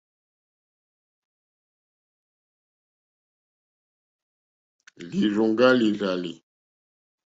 Lírzòŋɡá lìrzàlì.